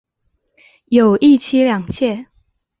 有一妻两妾。